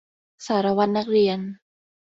สารวัตรนักเรียน